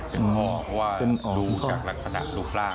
เพราะว่าดูจากลักษณะลูกร่าง